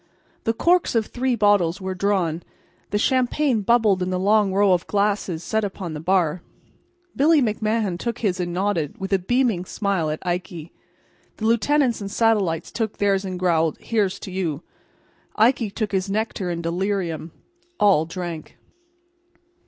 The corks of three bottles were drawn; the champagne bubbled in the long row of glasses set upon the bar. Billy McMahan took his and nodded, with his beaming smile, at Ikey. The lieutenants and satellites took theirs and growled "Here's to you." Ikey took his nectar in delirium. All drank.